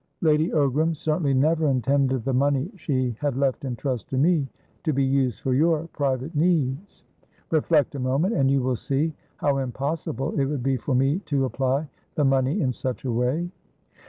Lady Ogram certainly never intended the money she had left in trust to me to be used for your private needs. Reflect a moment, and you will see how impossible it would be for me to apply the money in such a way."